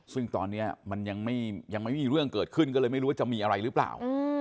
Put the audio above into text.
ซึ่งตอนนี้มันยังไม่มีเรื่องเกิดขึ้นก็เลยไม่รู้ว่าจะมีอะไรหรือเปล่า